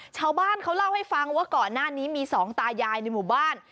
ชาวบ้านเขาเล่าให้ฟังว่าก่อนหน้านี้มีสองตายายในหมู่บ้าน